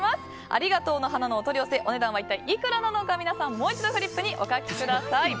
ありがとうの花のお取り寄せお値段は一体いくらなのか皆さんもう一度フリップにお書きください。